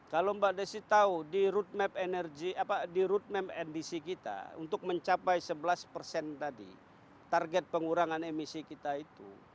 kalau mbak desi tahu di roadmap energy di roadmap ndc kita untuk mencapai sebelas persen tadi target pengurangan emisi kita itu